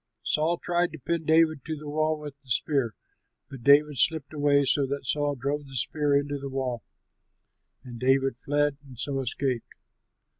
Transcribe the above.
Saul tried to pin David to the wall with the spear, but David slipped away so that Saul drove the spear into the wall; and David fled and so escaped.